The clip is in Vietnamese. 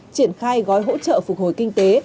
triển khai gói hỗ trợ phục hồi kinh tế